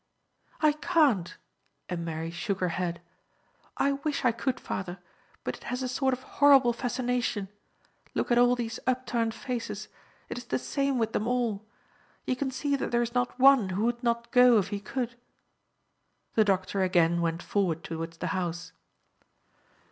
"I can't," and Mary shook her head. "I wish I could, father, but it has a sort of horrible fascination. Look at all these upturned faces; it is the same with them all. You can see that there is not one who would not go if he could." The doctor again went forward towards the house.